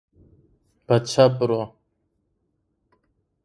The convention itself is held in the Senate chamber in the state capital.